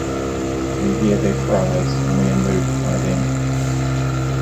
We hear their cries and are moved by them.